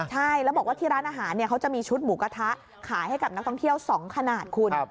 ใช่แล้วบอกว่าที่ร้านอาหารเขาจะมีชุดหมูกระทะขายให้กับนักท่องเที่ยว๒ขนาดคุณ